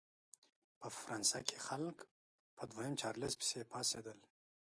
په فرانسه کې خلک په دویم چارلېز پسې پاڅېدل.